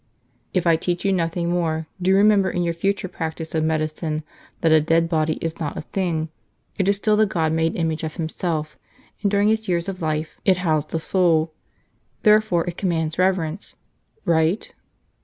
"If I teach you nothing more, do remember in your future practice of medicine that a dead body is not a thing, it is still the God made image of Himself and during its years of life it housed a soul. Therefore it commands reverence. Right?